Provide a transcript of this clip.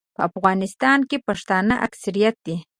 په افغانستان کې پښتانه اکثریت دي.